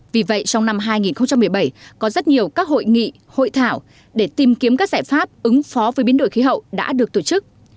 vì vậy trong năm hai nghìn một mươi bảy có rất nhiều các hội nghị hội thảo để tìm kiếm các giải pháp ứng phó với biến đổi khí hậu đã được tổ chức